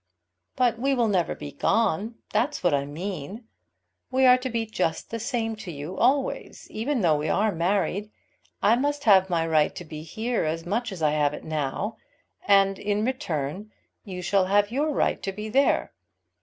"But we will never be gone. That's what I mean. We are to be just the same to you always, even though we are married. I must have my right to be here as much as I have it now; and, in return, you shall have your right to be there.